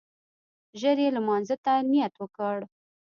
ژر يې لمانځه ته نيت وکړ.